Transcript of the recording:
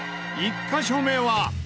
１カ所目は。